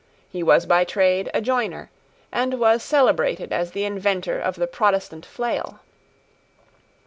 He was by trade a joiner, and was celebrated as the inventor of the Protestant flail.